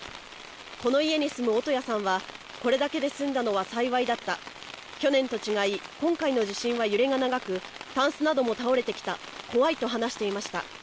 この家に住む乙谷さんはこれだけで済んだのは幸いだった、去年と違い、今回の地震は揺れが長くタンスなども倒れてきた、怖いと話していました。